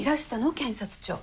検察庁。